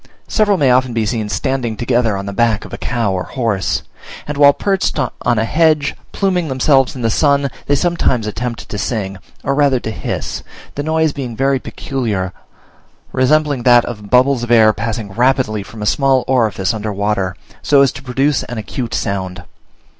Several may often be seen standing together on the back of a cow or horse; and while perched on a hedge, pluming themselves in the sun, they sometimes attempt to sing, or rather to hiss; the noise being very peculiar, resembling that of bubbles of air passing rapidly from a small orifice under water, so as to produce an acute sound.